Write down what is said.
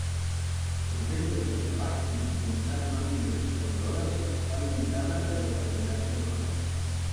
La venda de tabac mitjançant màquines expenedores està limitada a determinats locals.